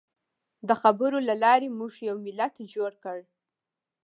د خبرو له لارې موږ یو ملت جوړ کړ.